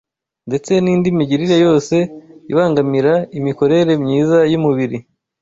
ndetse n’indi migirire yose ibangamira imikorere myiza y’umubiri